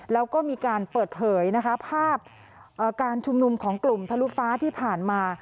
แล้วก็มีการเปิดเผยนะคะภาพการชุมนุมของกลุ่มทะลุฟ้าที่ผ่านมา